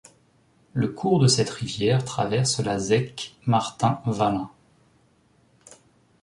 Le cours de cette rivière traverse la zec Martin-Valin.